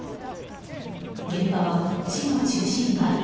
現場は市の中心街。